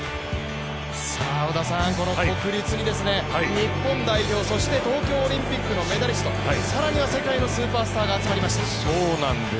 この国立に日本代表、そして東京オリンピックのメダリスト、更には世界のスーパースターが集まりました。